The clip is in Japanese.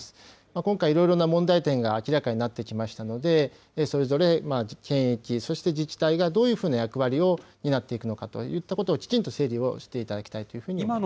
今回、いろいろな問題点が明らかになってきましたので、それぞれ検疫、そして自治体がどういうふうな役割を担っていくのかといったことを、きちんと整理をしていただきたいと思います。